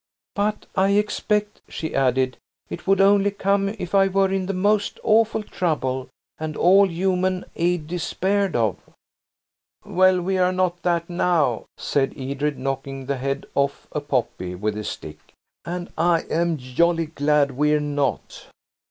"But, I expect," she added, "it would only come if I were in the most awful trouble and all human aid despaired of." "Well, we're not that now," said Edred, knocking the head off a poppy with his stick, "and I'm jolly glad we're not."